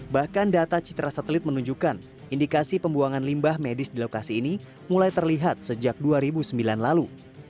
bahkan data citra satelit menunjukkan indikasi pembuangan limbah medis di lokasi ini mulai terlihat sejak dua ribu sembilan lalu